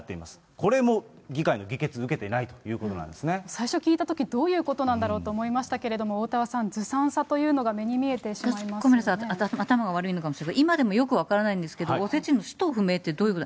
これも議会の議決を受けていない最初聞いたとき、どういうことなんだろうと思いましたけれども、おおたわさん、ずさんさというのが、ごめんなさい、頭が悪いのかもしれないけど、今でもよく分からないんですけれども、おせちの使途不明ってどういうこと？